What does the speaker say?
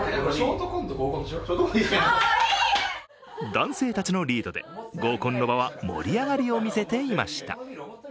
男性たちのリードで合コンの場は盛り上がりを見せていました。